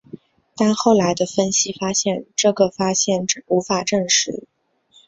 但后来的分析发现这个发现无法证实。